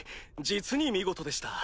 実に見事でした。